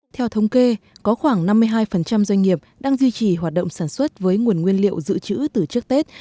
theo thống kê có khoảng năm mươi hai doanh nghiệp đang duy trì hoạt động sản xuất với nguồn nguyên liệu dự trữ từ trước tết